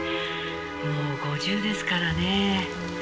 「もう５０ですからね」